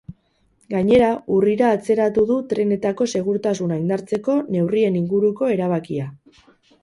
Gainera, urrira atzeratu du trenetako segurtasuna indartzeko neurrien inguruko erabakia.